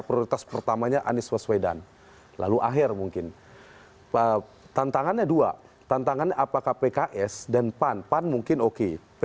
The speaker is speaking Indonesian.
pasti sebelum pukul dua belas